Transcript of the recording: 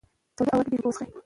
توده هوا کې ډېرې اوبه وڅښئ.